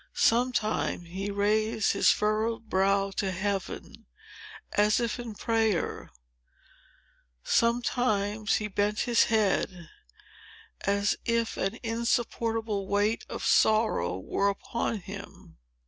Sometimes he raised his furrowed brow to heaven, as if in prayer; sometimes he bent his head, as if an insupportable weight of sorrow were upon him.